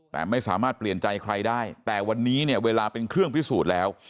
แต่ไม่สามารถเปลี่ยนใจใครได้แต่วันนี้เนี่ยเวลาเป็นเครื่องพิสูจน์แล้ว